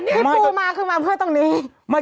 ที่ปูมาคือมาเพื่อตรงนี้